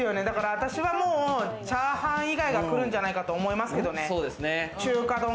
私はもう、チャーハン以外が来るんじゃないかなと思いますけどね。